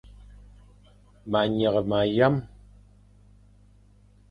Ma nyeghe ma yam.